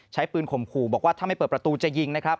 ใช้ปืนข่มขู่บอกว่าถ้าไม่เปิดประตูจะยิงนะครับ